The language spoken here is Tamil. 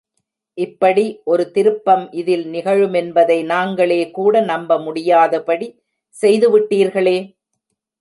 இப்படி ஒரு திருப்பம் இதில் நிகழுமென்பதை நாங்களே கூட நம்பமுடியாதபடி செய்து விட்டீர்களே?